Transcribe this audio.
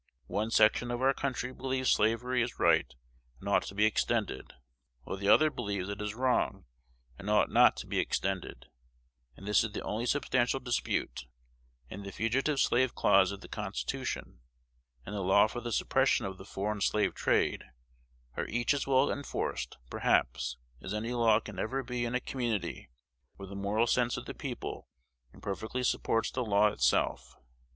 One section of our country believes slavery is right and ought to be extended, while the other believes it is wrong and ought not to be extended; and this is the only substantial dispute: and the fugitive slave clause of the Constitution, and the law for the suppression of the foreign slave trade, are each as well enforced, perhaps, as any law can ever be in a community where the moral sense of the people imperfectly supports the law itself.